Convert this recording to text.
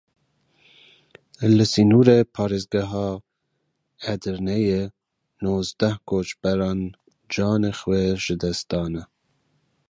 Li sînorê parêzgeha Edirneyê nozdeh koçberan canê xwe ji dest dane.